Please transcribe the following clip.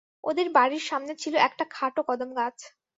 ওদের বাড়ির সামনে ছিল একটা খাটো কদমগাছ।